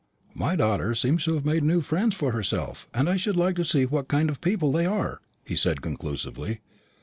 "My daughter seems to have made new friends for herself, and I should like to see what kind of people they are," he said conclusively.